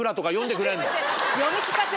読み聞かせ？